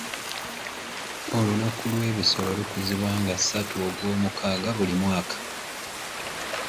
Olunaku lw'ebisolo lukuzibwa nga ssatu ogw'omukaaga buli mwaka.